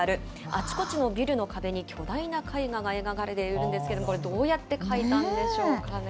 あちこちのビルの壁に巨大な絵画が描かれているんですけれども、どうやって描いたんでしょうかね。